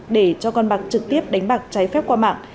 để cho con bạc trực tiếp đánh bạc trái phép qua mạng